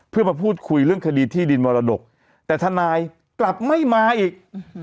เพื่อมาพูดคุยเรื่องคดีที่ดินมรดกแต่ทนายกลับไม่มาอีก